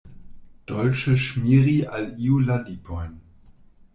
Dolĉe ŝmiri al iu la lipojn.